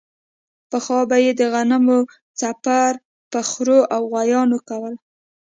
پخوا به یې د غنمو څپر په خرو او غوایانو کولو.